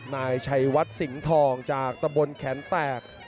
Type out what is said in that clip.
นายชัยวัดสิงห์ทองจากตะบนแขนแตก